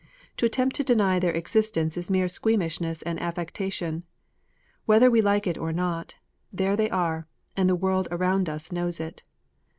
To attempt to deny their existence is mere squeamishness and affectation. Whether we like it or not, there they are, and the world around us knows it.